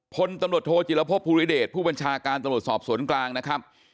พลตำรวจโทจิลภพภูริเดชผู้บัญชาการตำรวจสอบสวนกลางนะครับ